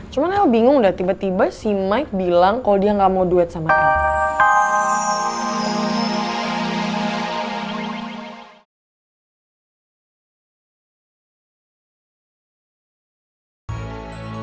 cuma aku bingung udah tiba tiba si maik bilang kalo dia ga mau duet sama ibu